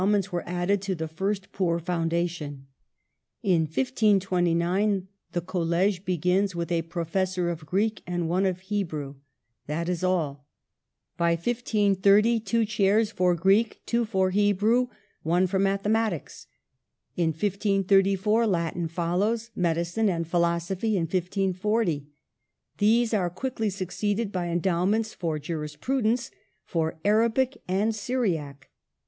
1 37 ments were added to the first poor foundation. In 1529, the College begins with a professor of Greek and one of Hebrew, — that is all By 1530, two chairs for Greek, two for Hebrew, one for mathematics. In 1534, Latin follows; medicine and philosophy in 1540; these are quickly succeeded by endowments for juris prudence, for Arabic and Syriac.